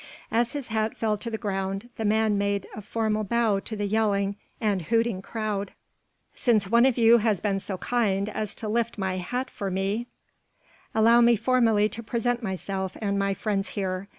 As his hat fell to the ground, the man made a formal bow to the yelling and hooting crowd: "Since one of you has been so kind as to lift my hat for me, allow me formally to present myself and my friends here.